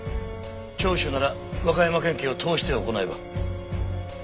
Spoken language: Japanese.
聴取なら和歌山県警を通して行えば。